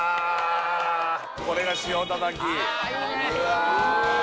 これが塩たたきうわ